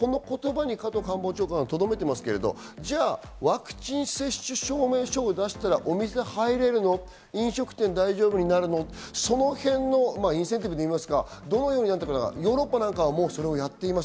この言葉に加藤官房長官はとどめていますけどワクチン接種証明書を出したら、飲食店、大丈夫になるの？って、インセンティブといいますか、ヨーロッパなんかはそれをやっています。